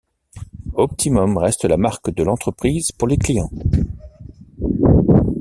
Optimum reste la marque de l'entreprise pour les clients.